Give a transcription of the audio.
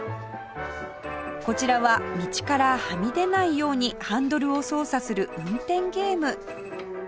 こちらは道からはみ出ないようにハンドルを操作する運転ゲーム